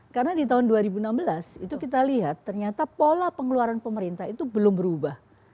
karena di tahun dua ribu enam belas itu kita lihat ternyata pola pengeluaran pemerintah itu belum berubah